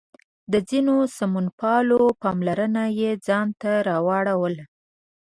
د ځینو سمونپالو پاملرنه یې ځان ته راواړوله.